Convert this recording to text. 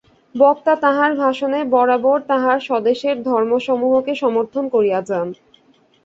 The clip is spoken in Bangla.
বক্তা তাঁহার ভাষণে বরাবর তাঁহার স্বদেশের ধর্মসমূহকে সমর্থন করিয়া যান।